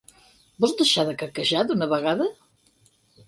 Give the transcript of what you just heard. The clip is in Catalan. Vols deixar de quequejar d'una vegada?